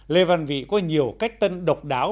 lê văn vĩ có nhiều cách tân độc đáo